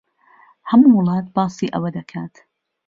ھەموو وڵات باسی ئەوە دەکات.